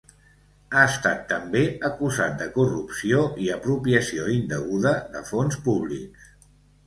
Ha estat també acusat de corrupció i apropiació indeguda de fons públics.